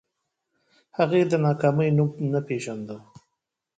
هغې د ناکامۍ نوم نه پېژانده